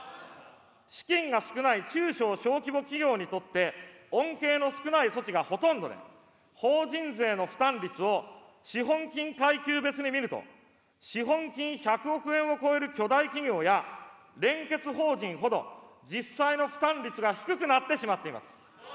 資金が少ない中小・小規模企業にとって、恩恵の少ない措置がほとんどで、法人税の負担率を資本金階級別に見ると、資本金１００億円を超える巨大企業や、連結法人ほど、実際の負担率が低くなってしまっています。